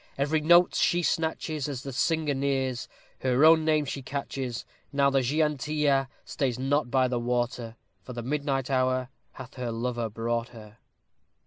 Every note she snatches; As the singer nears, Her own name she catches. Now the Gitanilla Stays not by the water, For the midnight hour Hath her lover brought her.